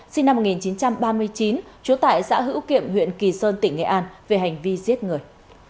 sinh năm một nghìn chín trăm ba mươi chín trú tại xã hữu kiệm huyện kỳ sơn tỉnh nghệ an về hành vi giết người